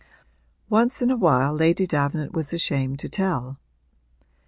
Once in a while Lady Davenant was ashamed to tell.